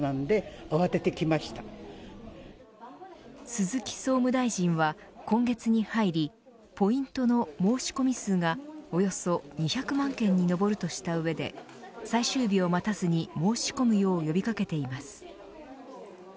鈴木総務大臣は今月に入りポイントの申し込み数がおよそ２００万件に上るとした上で最終日を待たずに申し込むよう呼び掛けています。